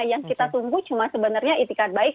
yang kita tunggu cuma itikan baik